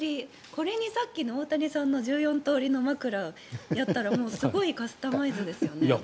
これにさっきの大谷さんの１４通りの枕をやったらもうすごいカスタマイズですよね。